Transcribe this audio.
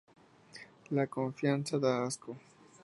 La confianza da asco